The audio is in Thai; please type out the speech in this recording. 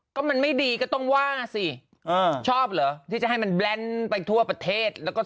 ก็มันไม่ดีก็ต้องว่าสิชอบเหรอที่จะให้มันแลนด์ไปทั่วประเทศ